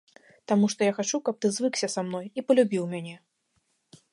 Таму што я хачу, каб ты звыкся са мной і палюбіў мяне.